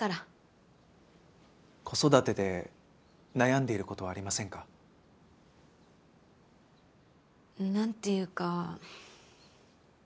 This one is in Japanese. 子育てで悩んでいる事はありませんか？なんていうか。